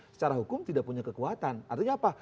secara hukum tidak punya kekuatan artinya apa